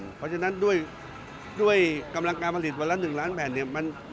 เพราะฉะนั้นด้วยกำลังการผลิตวันละ๑ล้านแผ่นเนี่ย